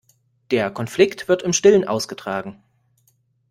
Der Konflikt wird im Stillen ausgetragen.